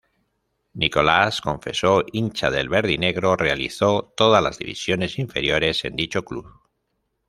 Nicolás, confeso hincha del verdinegro, realizó todas las divisiones inferiores en dicho club.